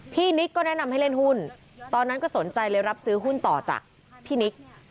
นิกก็แนะนำให้เล่นหุ้นตอนนั้นก็สนใจเลยรับซื้อหุ้นต่อจากพี่นิก